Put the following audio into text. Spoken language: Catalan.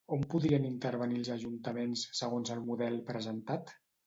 On podrien intervenir els ajuntaments, segons el model presentat?